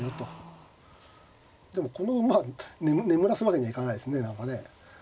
でもこの馬眠らすわけにはいかないですね何かね。